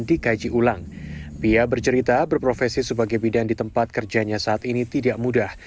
dikaji ulang pia bercerita berprofesi sebagai bidan di tempat kerjanya saat ini tidak mudah